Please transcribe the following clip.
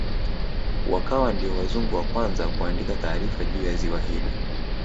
Wakawa ndio wazungu wa kwanza kuandika taarifa juu ya ziwa hili